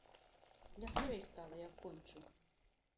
Лягчэй стала, як кончыў.